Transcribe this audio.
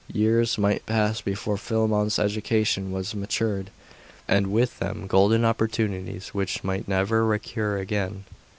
Years might pass before Philammon's education was matured, and with them golden opportunities which might never recur again.